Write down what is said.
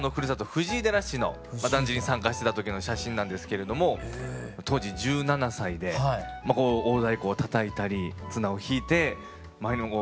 藤井寺市のだんじりに参加してた時の写真なんですけれども当時１７歳で大太鼓をたたいたり綱を引いてだんじり引いてましたね。